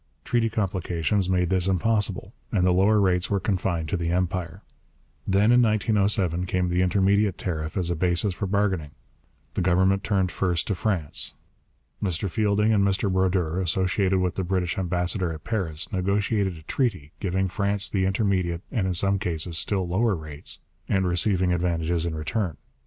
Treaty complications made this impossible, and the lower rates were confined to the Empire. Then in 1907 came the intermediate tariff as a basis for bargaining. The Government turned first to France. Mr Fielding and Mr Brodeur, associated with the British ambassador at Paris, negotiated a treaty, giving France the intermediate and in some cases still lower rates, and receiving advantages in return.